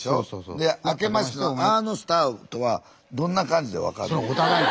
で「明けまして」の「あ」のスタートはどんな感じで分かるの？